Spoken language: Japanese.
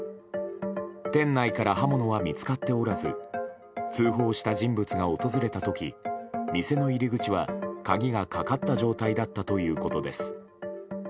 店内から刃物は見つかっておらず通報した人物が訪れた時店の入り口は鍵がかかった状態だったということです。